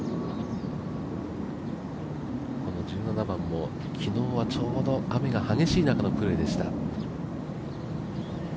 この１７番も昨日はちょうど雨が激しい中のプレーでした。